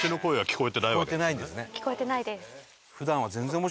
聞こえてないです。